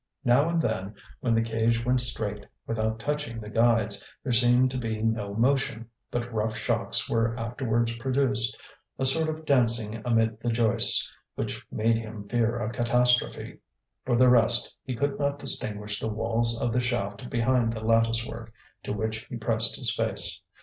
Now and then, when the cage went straight without touching the guides, there seemed to be no motion, but rough shocks were afterwards produced, a sort of dancing amid the joists, which made him fear a catastrophe. For the rest he could not distinguish the walls of the shaft behind the lattice work, to which he pressed his face.